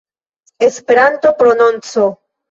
Esperanto-prononco